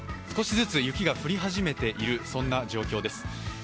少しずつ雪が降り始めている状況です。